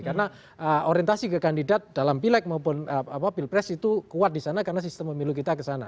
karena orientasi ke kandidat dalam pileg maupun pilpres itu kuat di sana karena sistem pemilu kita kesana